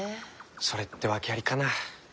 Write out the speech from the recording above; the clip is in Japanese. それって訳ありかな？